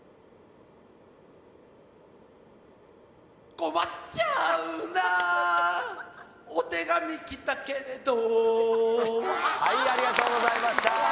こまっちゃうナお手紙来たけれどはいありがとうございました